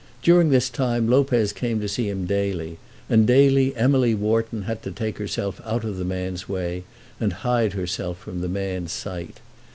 During this time Lopez came to see him daily, and daily Emily Wharton had to take herself out of the man's way, and hide herself from the man's sight.